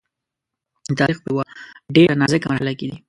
د تاریخ په یوه ډېره نازکه مرحله کې دی.